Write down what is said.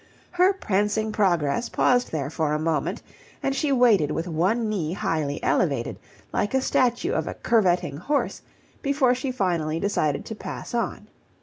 Her prancing progress paused there for a moment, and she waited with one knee highly elevated, like a statue of a curveting horse, before she finally decided to pass on.